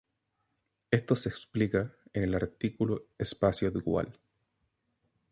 Esto se explica en el artículo espacio dual.